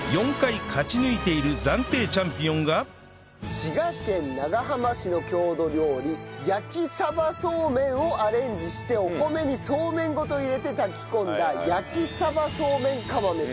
滋賀県長浜市の郷土料理焼鯖そうめんをアレンジしてお米にそうめんごと入れて炊き込んだ焼鯖そうめん釜飯です。